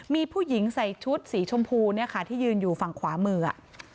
มีผู้หญิงใส่ชุดสีชมพูเนี่ยค่ะที่ยืนอยู่ฝั่งขวามือ